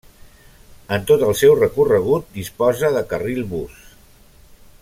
En tot el seu recorregut, disposa de carril bus.